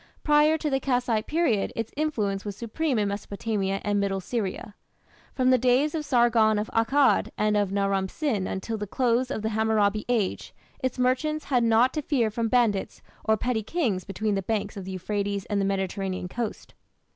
Prior to the Kassite period its influence was supreme in Mesopotamia and middle Syria; from the days of Sargon of Akkad and of Naram Sin until the close of the Hammurabi Age its merchants had naught to fear from bandits or petty kings between the banks of the Euphrates and the Mediterranean coast.